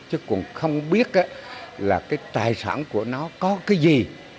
chứ còn không biết là cái tài sản của nó có cái gì